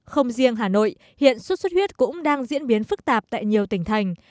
không riêng hà nội hiện xuất xuất huyết cũng đang diễn biến phức tạp tại nhiều tỉnh thành